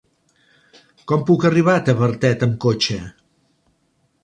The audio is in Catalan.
Com puc arribar a Tavertet amb cotxe?